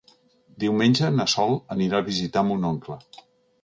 Diumenge na Sol anirà a visitar mon oncle.